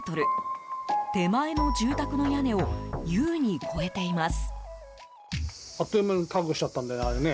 手前の住宅の屋根を優に超えています。